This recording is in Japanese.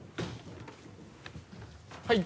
はい。